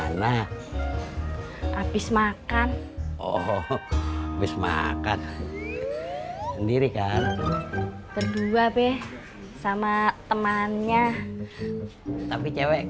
deh pelanggan mana habis makan oh habis makan sendiri kan berdua be sama temannya tapi cewek